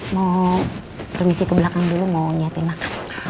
mau permisi ke belakang dulu mau nyiapin makan